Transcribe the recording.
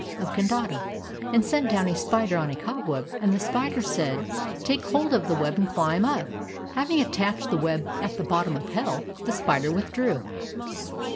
56 KARMA: A STORY OF BUDDHIST ETHICS of Kandata, and sent down a spider on a cobweb and the spider said :' Take hold of the web and chmb up.' "Having attached the web at the bottom of hell, the spider withdrew.